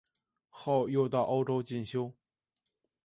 后又到欧洲进修。